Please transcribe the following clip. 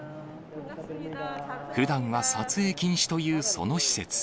ふだんは撮影禁止というその施設。